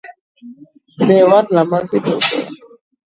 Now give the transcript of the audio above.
მე ვარ ლამაზი გოგო